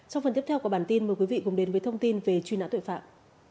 sau phần tiếp theo của bản tin mời quý vị cùng đến với thông tin về truy nã tội phạm